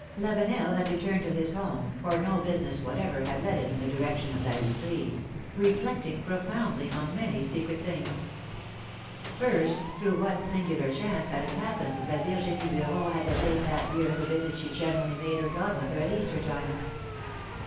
AVENEL had returned to his home — for no business J— ^ whatever had led him in the direction of La Heuserie — reflecting profoundly on many secret things. First, through what singular chance had it happened that Virginie Beuron had delayed that year the visit she generally made her godmother at Easter time?